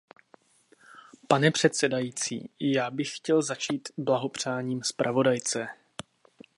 Pane předsedající, i já bych chtěl začít blahopřáním zpravodajce.